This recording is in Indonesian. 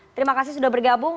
terima kasih sudah bergabung